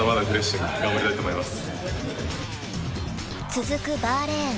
［続くバーレーン。